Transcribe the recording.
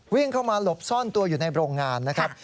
วิ่งเข้ามาหลบซ่อนตัวอยู่ในโรงงานนะครับ